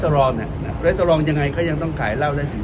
การประชุมเมื่อวานมีข้อกำชับหรือข้อกำชับอะไรเป็นพิเศษ